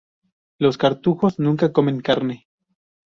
Los cartujos nunca comen carne.